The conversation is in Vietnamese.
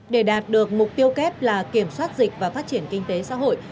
để đạt được mục tiêu kép là kiểm soát dịch và phát triển kinh tế xã hội